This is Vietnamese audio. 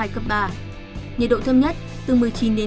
nhiệt độ thấp nhất từ một mươi chín hai mươi hai độ